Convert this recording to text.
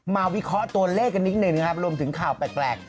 วิเคราะห์ตัวเลขกันนิดหนึ่งนะครับรวมถึงข่าวแปลก